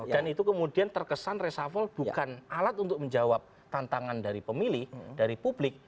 dan itu kemudian terkesan reshuffle bukan alat untuk menjawab tantangan dari pemilih dari publik